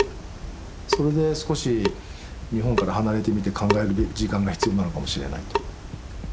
それで少し日本から離れてみて考える時間が必要なのかもしれないと。